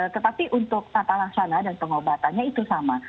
tetapi untuk tata laksana dan pengobatannya itu sama